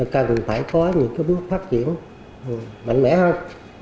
cần phải có những bước phát triển mạnh mẽ hơn